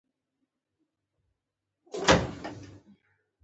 ناپاک موټر بد ښکاري.